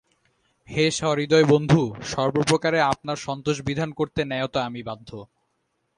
হে সহৃদয় বন্ধু, সর্বপ্রকারে আপনার সন্তোষ বিধান করতে ন্যায়ত আমি বাধ্য।